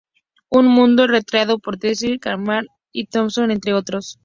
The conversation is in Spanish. Un mundo retratado por Dashiell Hammett, Chandler y Thompson, entre otros.